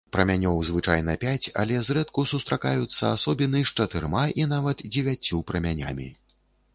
Прамянёў звычайна пяць, але зрэдку сустракаюцца асобіны з чатырма і нават дзевяццю прамянямі.